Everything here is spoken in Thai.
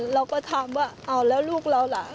เราก็ถามว่าเอาแล้วลูกเราล่ะ